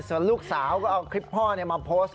ส่วนลูกสาวก็เอาคลิปพ่อมาโพสต์